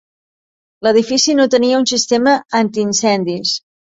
L'edifici no tenia un sistema antiincendis.